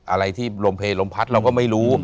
อะไรที่โรงเพลย์โรงพัฒน์เราก็ไม่รู้